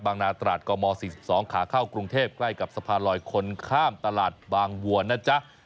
นาตราดกม๔๒ขาเข้ากรุงเทพใกล้กับสะพานลอยคนข้ามตลาดบางวัวนะจ๊ะ